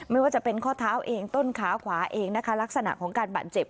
ไม่ว่าจะเป็นข้อเท้าเองต้นขาขวาเองนะคะลักษณะของการบาดเจ็บ